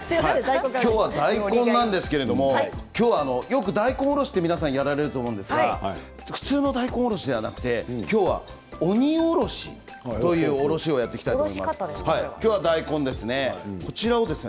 きょうは大根なんですけどよく大根をおろし皆さんやられると思うんですが普通の大根おろしじゃなくてきょう鬼おろしをやっていきたいと思います。